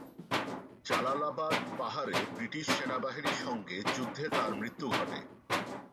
জালালাবাদ পাহাড়ে ব্রিটিশ সৈন্যবাহিনীর সংগে যুদ্ধে তার মৃত্যু ঘটে।